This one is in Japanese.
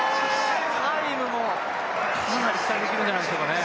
タイムもかなり期待できるんじゃないでしょうかね。